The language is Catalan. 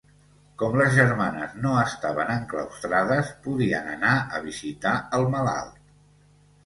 Com les germanes no estaven enclaustrades, podien anar a visitar el malalt.